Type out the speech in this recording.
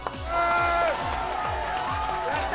やった！